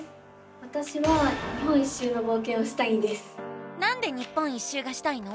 わたしはなんで日本一周がしたいの？